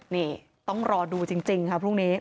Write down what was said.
นี่ต้องรอดูจริงค่ะพรุ่งนี้